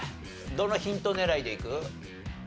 どのヒント狙いでいく？